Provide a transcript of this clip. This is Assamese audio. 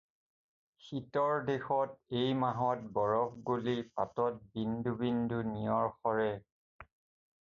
শীতৰ দেশত এই মাহত বৰফ গলি পাতত বিন্দু বিন্দু নিয়ৰ সৰে।